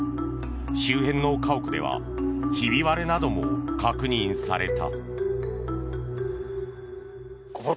周辺の家屋ではひび割れなども確認された。